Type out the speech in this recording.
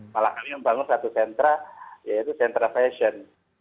malah kami membangun satu sentra yaitu sentra fashion